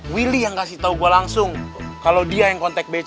willy yang kasih tahu gue langsung kalau dia yang kontak b